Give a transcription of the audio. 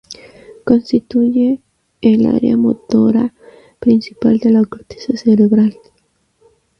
Constituye el área motora principal de la corteza cerebral.